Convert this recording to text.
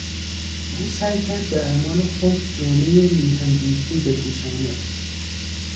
او سعی کرد به اعمال خود جامهی میهن دوستی بپوشاند.